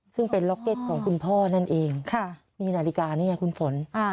ซึ่งเป็นล็อกเก็ตของคุณพ่อนั่นเองนี่นาฬิกานี่ไงคุณฝน